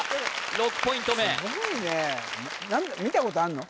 ６ポイント目すごいね見たことあるの？